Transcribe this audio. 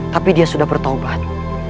tapi dia sudah bertaubat